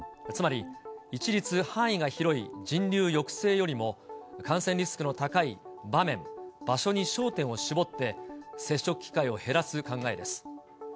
つまり一律範囲が広い人流抑制よりも、感染リスクの高い場面、場所に焦点を絞って、接触機会を減らす考えです。